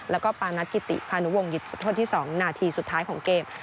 แล้วก็ปานัทกิติพานุวงศ์โทษที่๒นาทีสุดท้ายของเกม